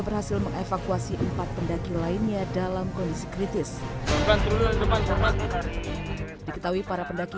berhasil mengevakuasi empat pendaki lainnya dalam kondisi kritis diketahui para pendaki